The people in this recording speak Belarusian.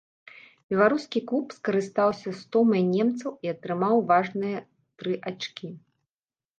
Беларускі клуб скарыстаўся стомай немцаў і атрымаў важныя тры ачкі.